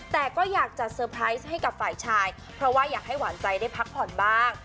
แต่ก็อยากจะเซอร์ไพรส์ให้กับฝ่ายชายเพราะว่าอยากให้หวานใจได้พักผ่อนบ้าง